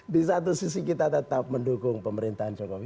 di satu sisi kita tetap mendukung pemerintahan jokowi